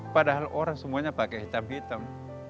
padahal orang semuanya pakai hitam hitam